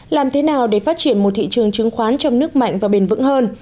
làm thế nào để phát triển một thị trường chứng khoán trong nước mạnh và bền vững hơn